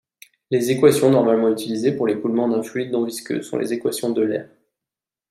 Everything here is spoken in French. Les équations normalement utilisées pour l'écoulement d'un fluide non visqueux sont les équations d'Euler.